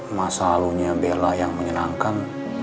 masa lalunya bella yang menyenangkan